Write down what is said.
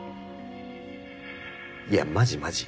いやマジマジ。